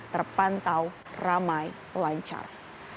terpantau ramai pelancar